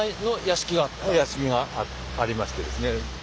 屋敷がありましてですね。